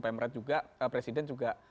pemret juga presiden juga